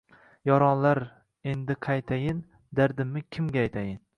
Yoronlar, endi qaytayin, Dardimni kimga aytayin.